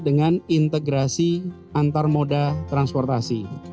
dengan integrasi antar moda transportasi